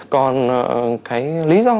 còn cái lý do